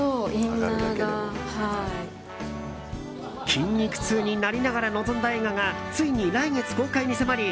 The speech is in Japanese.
筋肉痛になりながら臨んだ映画がついに来月、公開に迫り